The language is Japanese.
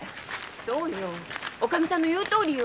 そうよおかみさんの言うとおりよ。